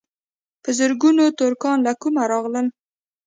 په زرګونو ترکان له کومه راغلل.